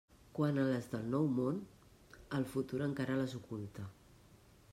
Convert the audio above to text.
Quant a les del Nou Món, el futur encara les oculta.